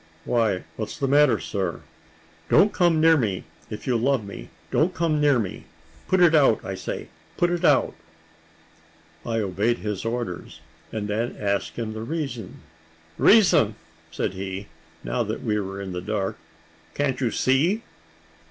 "Why, what's the matter, sir?" "Don't come near me, if you love me; don't come near me. Put it out, I say put it out." I obeyed his orders, and then asked him the reason. "Reason!" said he, now that we were in the dark; "can't you see?"